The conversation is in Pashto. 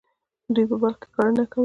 دوی په بلخ کې کرنه کوله.